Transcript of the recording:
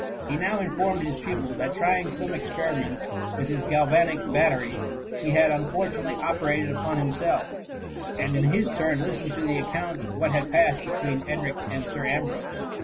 He now in formed his pupil, that trying some experiments with his galvanic battery, he had unfortunately operated upon himself ; and in his turn listened to the account of what had passed between Edric and Sir Ambrose.